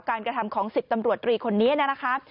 กระทำของ๑๐ตำรวจตรีคนนี้นะคะ